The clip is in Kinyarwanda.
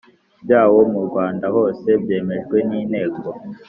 byawo mu Rwanda hose byemejwe n Inteko